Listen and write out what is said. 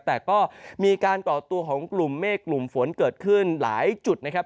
แต่ก็มีการก่อตัวของกลุ่มเมฆกลุ่มฝนเกิดขึ้นหลายจุดนะครับ